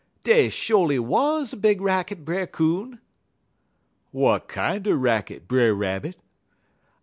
"'Dey sholy wuz a big racket, Brer Coon.' "'Wat kinder racket, Brer Rabbit?'